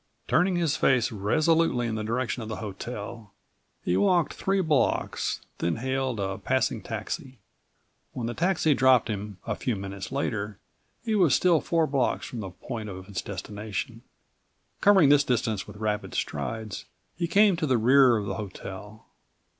Turning his face resolutely in the direction of the hotel, he walked three blocks, then hailed a passing taxi. When the taxi dropped him, a few minutes later, he was still four blocks from40 the point of his destination. Covering this distance with rapid strides, he came to the rear of the hotel.